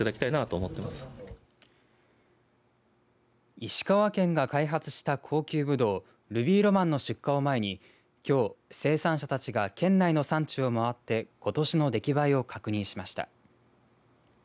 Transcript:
石川県が開発した高級ぶどうルビーロマンの出荷を前にきょう生産者たちが県内の産地を回ってことしの出来栄えを確認しました。